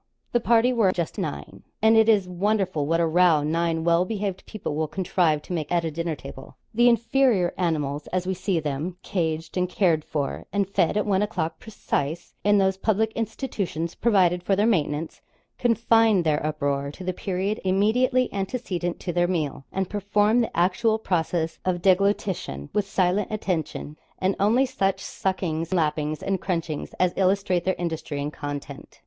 The party were just nine and it is wonderful what a row nine well behaved people will contrive to make at a dinner table. The inferior animals as we see them caged and cared for, and fed at one o'clock, 'precise,' in those public institutions provided for their maintenance confine their uproar to the period immediately antecedent to their meal, and perform the actual process of deglutition with silent attention, and only such suckings, lappings, and crunchings, as illustrate their industry and content.